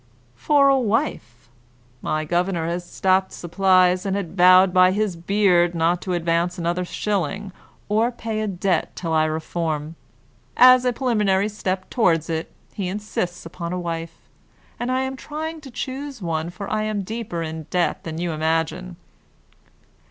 "For a wife. My governor has stopped supplies, and has vowed by his beard not to advance another shilling, or pay a debt, till I reform. As a preliminary step toward it, he insists upon a wife, and I am trying to choose one for I am deeper in debt than you imagine."